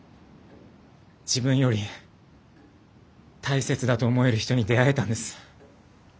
自分より大切だと思える人に出会えたんです。